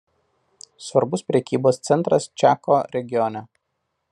Svarbus prekybos centras Čiako regione.